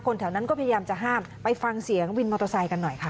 แถวนั้นก็พยายามจะห้ามไปฟังเสียงวินมอเตอร์ไซค์กันหน่อยค่ะ